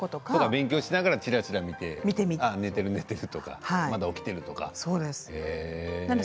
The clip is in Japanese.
勉強しながらちらちら見て寝ているとかまだ起きているとか。